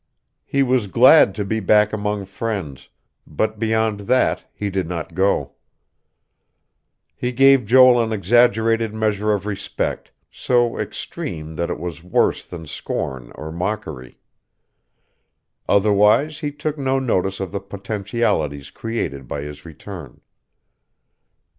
He was glad to be back among friends; but beyond that he did not go. He gave Joel an exaggerated measure of respect, so extreme that it was worse than scorn or mockery. Otherwise, he took no notice of the potentialities created by his return.